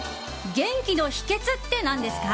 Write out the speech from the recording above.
元気の秘訣って何ですか？